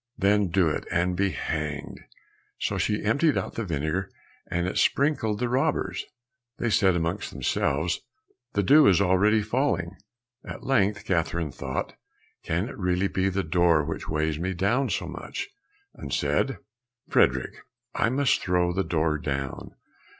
"Then do it and be hanged!" So she emptied out the vinegar, and it besprinkled the robbers. They said amongst themselves, "The dew is already falling." At length Catherine thought, "Can it really be the door which weighs me down so?" and said, "Frederick, I must throw the door down."